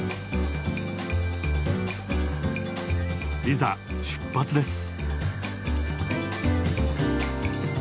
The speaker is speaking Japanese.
いざ出発です。